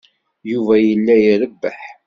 Yuba yella irebbeḥ.